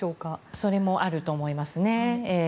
それもあると思いますね。